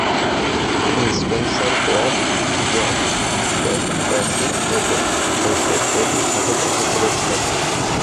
তিনি Spencer Baird, John Cassin এবং Joseph লেডির সাথে দেখা করেছিলেন।